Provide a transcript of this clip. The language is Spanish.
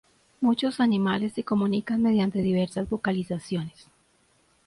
Muchos animales se comunican mediante diversas vocalizaciones.